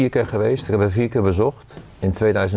เขาเป็น๔ครั้งเจอกัน